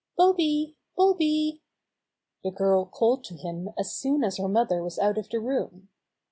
"Bobby! Bobby!" The girl called to him as soon as her mother was out of the room.